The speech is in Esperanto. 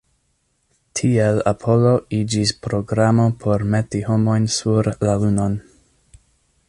Tiel Apollo iĝis programo por meti homojn sur la Lunon.